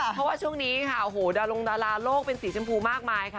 เพราะว่าช่วงนี้ค่ะโอ้โหดารงดาราโลกเป็นสีชมพูมากมายค่ะ